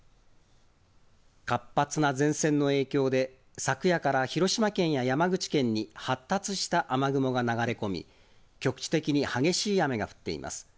活発な前線の影響で、昨夜から広島県や山口県に発達した雨雲が流れ込み、局地的に激しい雨が降っています。